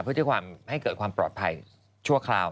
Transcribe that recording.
เพื่อที่ความให้เกิดความปลอดภัยชั่วคราว